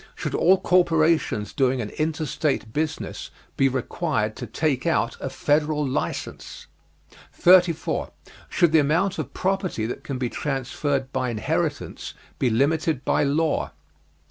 Should all corporations doing an interstate business be required to take out a Federal license? 34. Should the amount of property that can be transferred by inheritance be limited by law?